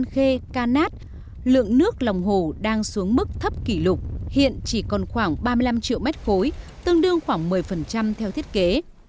hồ thủy điện an khê canát lượng nước lòng hồ đang xuống mức thấp kỷ lục hiện chỉ còn khoảng ba mươi năm triệu mét khối tương đương khoảng một mươi theo thiết kế